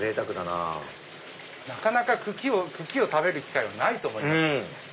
なかなか茎を食べる機会はないと思います。